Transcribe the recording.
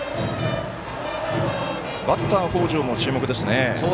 バッターの北條も注目ですね。